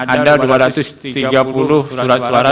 ada dua ratus tiga puluh surat suara